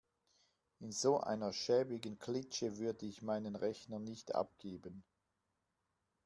In so einer schäbigen Klitsche würde ich meinen Rechner nicht abgeben.